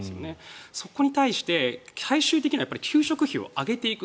そこで、最終的には給食費を上げていく。